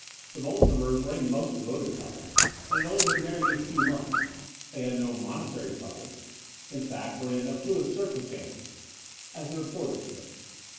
The Bolsovers were a most de voted couple and had only been married a few months. They had no monetary troubles — in fact, were in ''affluent circumstances," as the The Brighton Road 19 : reporters put it.